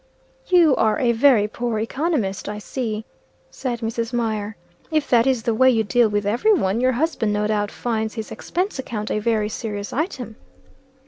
"You are a very poor economist, I see," said Mrs. Mier. "If that is the way you deal with every one, your husband no doubt finds his expense account a very serious item."